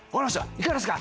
いかがですか